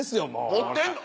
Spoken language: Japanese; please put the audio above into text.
持ってんの？